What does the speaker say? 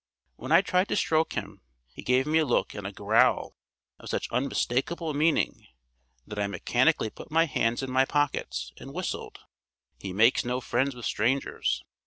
When I tried to stroke him, he gave me a look and a growl of such unmistakable meaning, that I mechanically put my hands in my pockets and whistled. He makes no friends with strangers.